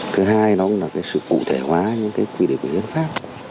thứ hai nó cũng là cái sự cụ thể hóa những cái quy định của hiến pháp